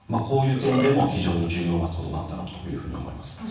こういう点でも非常に重要なことなんだろうというふうに思います。